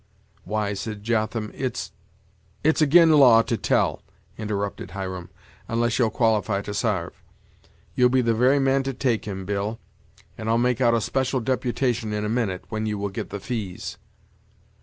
"Why," said Jotham, "it's " "It's agin' law to tell," interrupted Hiram, "unless you'll qualify to sarve. You'd be the very man to take him, Bill, and I'll make out a special deputation in a minute, when you will get the fees."